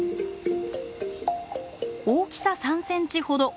大きさ３センチほど。